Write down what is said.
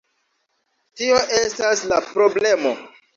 Tio estas la problemo